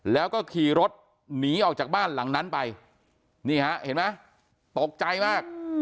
แล้วก็ขี่รถหนีออกจากบ้านหลังนั้นไปนี่ฮะเห็นไหมตกใจมาก